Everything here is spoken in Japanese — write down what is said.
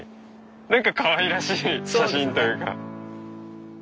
何かかわいらしい写真というか。